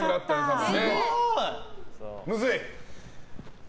むずい？